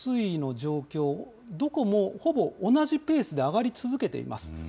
ほかの所も山口県の水位の状況、どこもほぼ同じペースで上がり続けています。